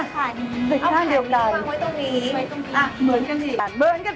เป็นขั้นเดียวดัน